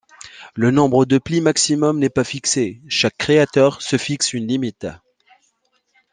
Le nombre de plis maximum n'est pas fixé, chaque créateur se fixe une limite.